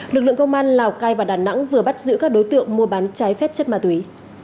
lực lượng công an lào cai và đà nẵng vừa bắt giữ các đối tượng mua bán trái phép chất ma túy